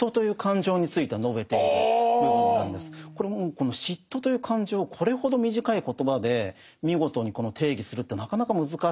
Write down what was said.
この嫉妬という感情をこれほど短い言葉で見事に定義するってなかなか難しいと思うんですね。